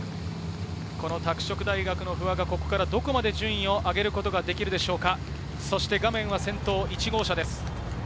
拓殖大の不破がこれからどこまで順位を上げることができるでしょうか。